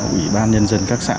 ủy ban nhân dân các xã